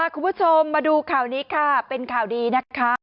คุณผู้ชมมาดูข่าวนี้ค่ะเป็นข่าวดีนะคะ